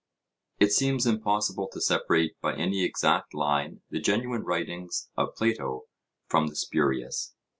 It seems impossible to separate by any exact line the genuine writings of Plato from the spurious.